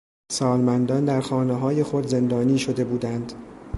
سالمندان در خانههای خود زندانی شده بودند.